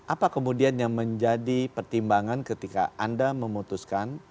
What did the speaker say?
apa kemudian yang menjadi pertimbangan ketika anda memutuskan